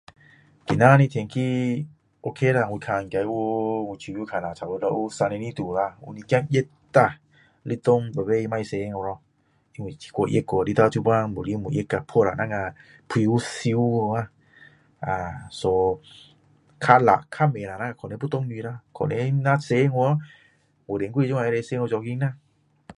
今天的天气 OK 啦我看应该有我试了看差不多有三十度，有一点热啦，日中每每不出啊，过热【wu】日头现在越来越热啊，晒啦两下皮肤烧【wu】啊，so 较【noclear】较慢啦要下雨啦，可能那出【wu】五点多可以出【wu】jogging 啦